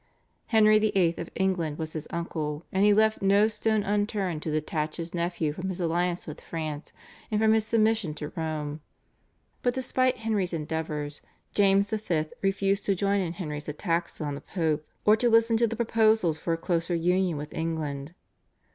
Henry VIII. of England was his uncle, and he left no stone unturned to detach his nephew from his alliance with France and from his submission to Rome; but despite Henry's endeavours James V. refused to join in Henry's attacks on the Pope, or to listen to the proposals for a closer union with England.